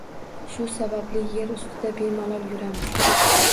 Shu sababli yer ustida bemalol yuramiz.